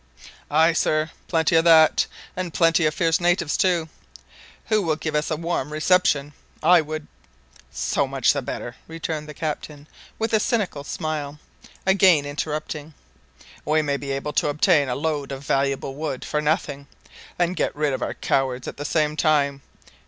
"Ay, sir, plenty of that, an' plenty of fierce natives too, who will give us a warm reception. I would " "So much the better," returned the captain, with a cynical smile, again interrupting; "we may be able to obtain a load of valuable wood for nothing, and get rid of our cowards at the same time.